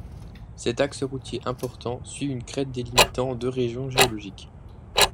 Cet axe routier important suit une crête délimitant deux régions géologiques.